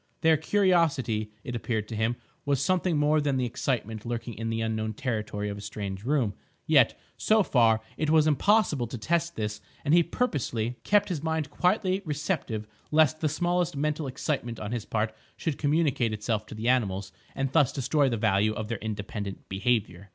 Their curiosity, it appeared to him, was something more than the excitement lurking in the unknown territory of a strange room; yet, so far, it was impossible to test this, and he purposely kept his mind quietly receptive lest the smallest mental excitement on his part should communicate itself to the animals and thus destroy the value of their independent behaviour.